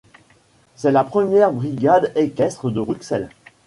C'est la première brigade équestre de Bruxelles.